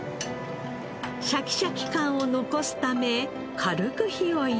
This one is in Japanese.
シャキシャキ感を残すため軽く火を入れ。